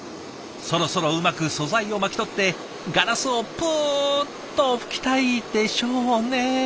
そろそろうまく素材を巻き取ってガラスをぷっと吹きたいでしょうね。